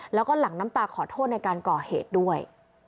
แล้วก็หลังน้ำตาขอโทษในการก่อเหตุด้วย